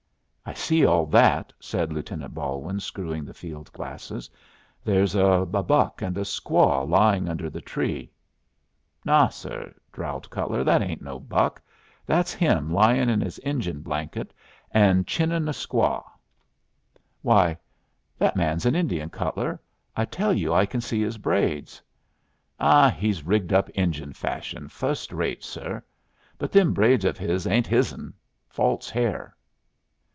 "I see all that," said Lieutenant Balwin, screwing the field glasses. "There's a buck and a squaw lying under the tree." "Naw, sir," drawled Cutler, "that ain't no buck. That's him lying in his Injun blanket and chinnin' a squaw." "Why, that man's an Indian, Cutler. I tell you I can see his braids." "Oh, he's rigged up Injun fashion, fust rate, sir. But them braids of his ain't his'n. False hair."